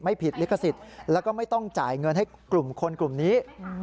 ผิดลิขสิทธิ์แล้วก็ไม่ต้องจ่ายเงินให้กลุ่มคนกลุ่มนี้